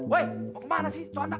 woy mau kemana sih itu anak